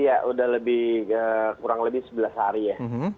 ya udah lebih kurang lebih sebelas hari ya